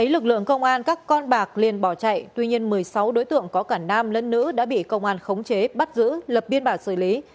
lực lượng công an các con bạc liền bỏ chạy tuy nhiên một mươi sáu đối tượng có cả nam lẫn nữ đã bị công an khống chế bắt giữ lập biên bản xử lý